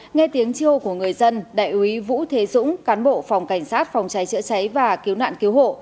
nghe tiếng chi hô của người dân đại úy vũ thế dũng cán bộ phòng cảnh sát phòng cháy chữa cháy và cứu nạn cứu hộ